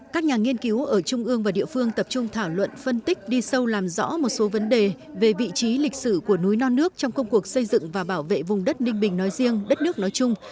các nhà nghiên cứu ở trung ương và địa phương tập trung thảo luận phân tích đi sâu làm rõ một số vấn đề về vị trí lịch sử của núi non nước trong công cuộc xây dựng và bảo vệ vùng đất ninh bình nói riêng đất nước nói chung